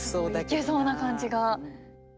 いけそうな感じが。